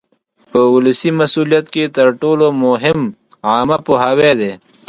په ولسي مسؤلیت کې تر ټولو مهم عامه پوهاوی دی.